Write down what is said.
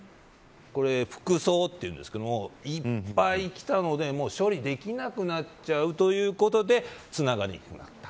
これ輻そうというんですけどいっぱいきたので処理できなくなっちゃうということでつながりにくくなった。